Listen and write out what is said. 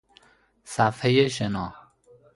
صفحه شنا